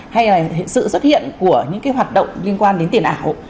hay là sự xuất hiện của những cái hoạt động liên quan đến tiền ảo